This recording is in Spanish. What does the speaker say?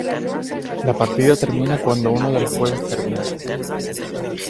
La partida termina cuando uno de los juegos termina.